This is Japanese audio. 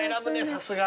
さすが。